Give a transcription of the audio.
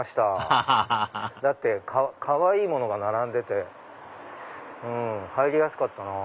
アハハハハだってかわいいものが並んでて入りやすかったなぁ。